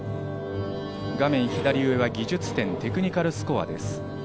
画面左上は技術点、テクニカルスコアです。